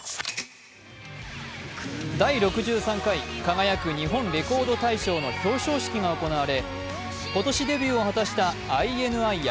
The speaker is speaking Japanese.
第６３回「輝く！日本レコード大賞」の表彰式が行われ今年デビューを果たしたＩＮＩや